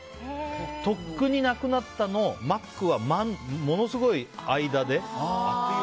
とっくになくなったの「まっく」は、ものすごい間で。